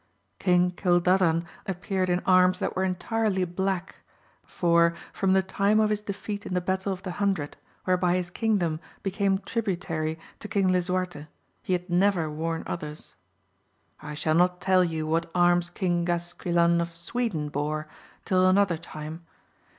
King Cildfr dan appeared in arms that were entirely black ; for, from the time of his defeat in the battle of the Hun dred, whereby his kingdom became tributary to Eong Lisuarte, he had never worn others. I shall not tell you what arms King Gasquilan of Sweden bore, till another time.